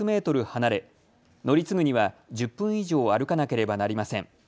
離れ乗り継ぐには１０分以上歩かなければなりません。